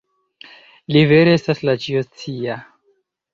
Li vere estas la Ĉio-Scia.